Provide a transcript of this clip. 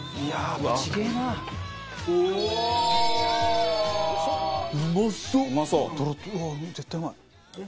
うわっ絶対うまい。